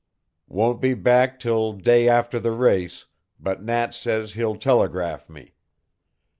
Won't be back till day after the race, but Nat says he'll telegraph me.